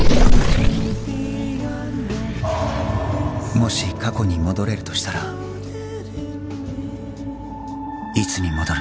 もし過去に戻れるとしたらいつに戻る？